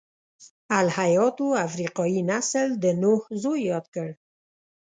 الهیاتو افریقايي نسل د نوح زوی یاد کړ.